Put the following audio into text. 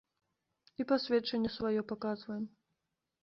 І пасведчанне сваё паказваем!